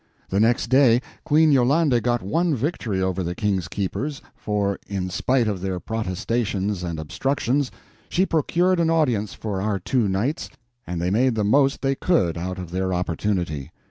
The next day Queen Yolande got one victory over the King's keepers, for, in spite of their protestations and obstructions, she procured an audience for our two knights, and they made the most they could out of their opportunity.